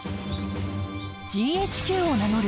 ＧＨＱを名乗る